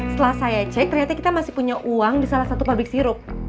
setelah saya cek ternyata kita masih punya uang di salah satu pabrik sirup